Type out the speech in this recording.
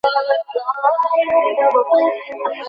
এই শীলা, রামু।